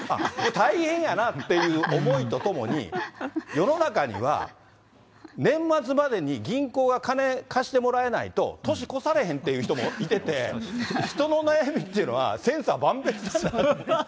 大変やなぁっていう思いとともに、世の中には、年末までに銀行が金貸してもらえないと年越されへんっていう人もいてて、人の悩みっていうのは、千差万別なんだなって。